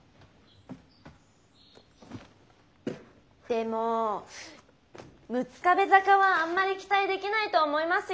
でもォ六壁坂はあんまり期待できないと思いますよ？